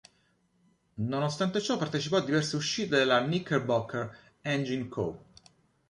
Nonostante ciò partecipò a diverse uscite della "Knickerbocker Engine Co.